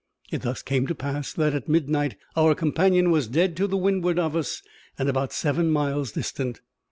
It thus came to pass that at midnight our companion was dead to windward of us, and about seven miles distant.